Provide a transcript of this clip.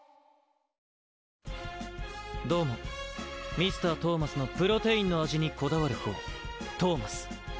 どうもＭｒ．トーマスのプロテインの味にこだわるほうトーマス。